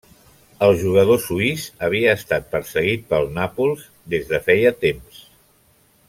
El jugador suís havia estat perseguit pel Nàpols des de feia temps.